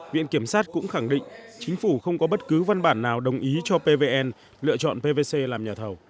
viện kiểm sát cũng khẳng định chính phủ không có bất cứ văn bản nào đồng ý cho pvn lựa chọn pvc làm nhà thầu